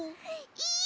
いい！